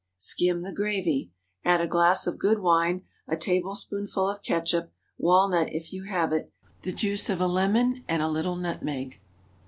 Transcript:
Skim the gravy; add a glass of good wine, a tablespoonful of catsup,—walnut, if you have it,—the juice of a lemon, and a little nutmeg.